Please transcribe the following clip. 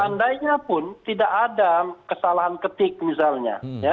seandainya pun tidak ada kesalahan ketik misalnya